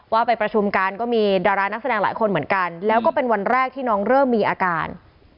ไปประชุมกันก็มีดารานักแสดงหลายคนเหมือนกันแล้วก็เป็นวันแรกที่น้องเริ่มมีอาการ